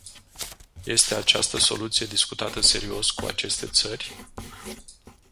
Este această soluție discutată serios cu aceste țări?